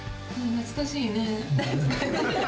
懐かしい。